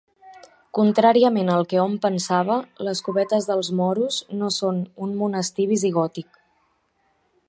Contràriament al que hom pensava, les Covetes dels Moros no són un monestir visigòtic.